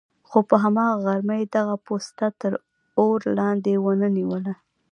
خو په هماغه غرمه یې دغه پوسته تر اور لاندې ونه نیوله.